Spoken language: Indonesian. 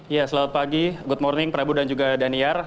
ya selamat pagi good morning prabu dan juga daniar